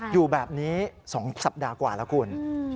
อยู่แบบนี้๒สัปดาห์กว่าแล้วคุณ